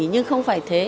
nhưng không phải thế